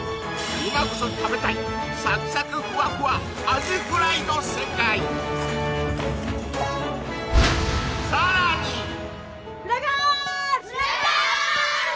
今こそ食べたいサクサクフワフワアジフライの世界フラガール！